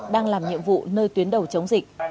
đang làm nhiệm vụ nơi tuyến đầu chống dịch